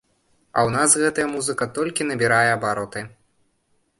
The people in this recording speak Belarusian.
А ў нас гэтая музыка толькі набірае абароты.